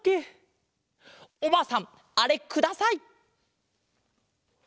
おばあさんあれください！